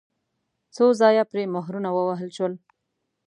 څو ځایه پرې مهرونه ووهل شول.